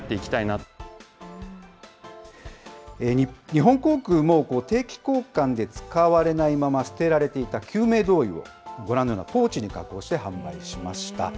日本航空も、定期交換で使われないまま捨てられていた救命胴衣を、ご覧のようなポーチに加工して販売しました。